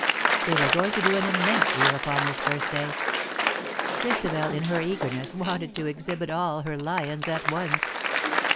They were going to do an immense deal upon this first day. Christabel, in her eagerness, wanted to exhibit all her lions at once.